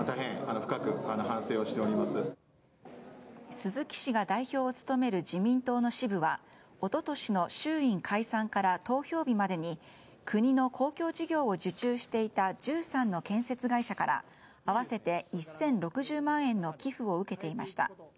鈴木氏が代表を務める自民党の支部は一昨年の衆院解散から投票日までに国の公共事業を受注していた１３の建設会社から合わせて１０６０万円の寄付を受けていました。